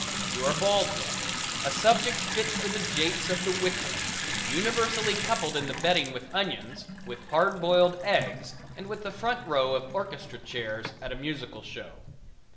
You are bald then, a subject fit for the japes of the wicked and universally coupled in the betting with onions, with hard boiled eggs and with the front row of orchestra chairs at a musical show.